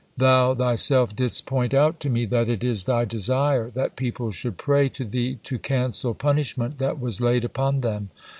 Thou Thyself didst point out to me that it is Thy desire that people should pray to Thee to cancel punishment that was laid upon them.